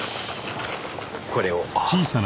これを。